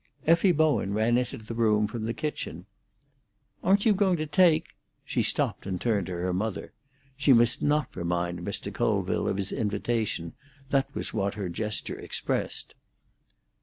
Effie Bowen ran into the room from the kitchen. "Aren't you going to take—" She stopped and turned to her mother. She must not remind Mr. Colville of his invitation; that was what her gesture expressed.